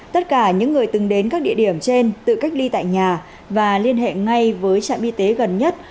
tất cả những người từng đến các địa điểm trên tự cách ly tại nhà và liên hệ ngay với trạm y tế gần nhất